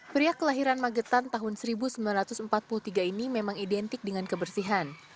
pria kelahiran magetan tahun seribu sembilan ratus empat puluh tiga ini memang identik dengan kebersihan